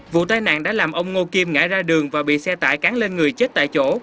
vụ tai nạn đã làm ông ngô kim ngã ra đường và bị xe tải cắn lên người chết tại chỗ